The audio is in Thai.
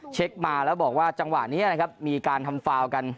เช็คมาแล้วบอกว่าจังหวะนี้นะครับมีการทำฟาวกัน